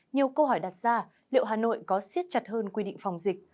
nhiều câu hỏi đặt ra liệu hà nội có siết chặt hơn quy định phòng dịch